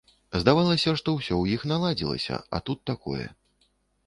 Здавалася, што ўсё ў іх наладзілася, а тут такое.